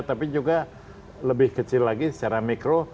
tapi juga lebih kecil lagi secara mikro